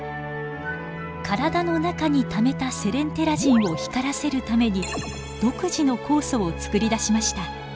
体の中にためたセレンテラジンを光らせるために独自の酵素をつくり出しました。